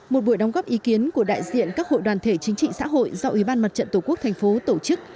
một buổi đóng góp ý kiến của đại diện các hội đoàn thể chính trị xã hội do ủy ban mặt trận tổ quốc thành phố tổ chức